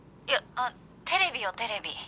いやテレビよテレビ」